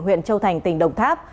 huyện châu thành tỉnh đồng tháp